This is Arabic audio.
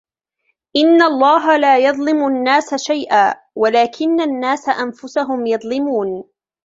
إن الله لا يظلم الناس شيئا ولكن الناس أنفسهم يظلمون